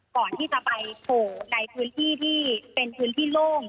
ก่อนที่จะไปโผล่ในพื้นที่ที่เป็นพื้นที่โล่ง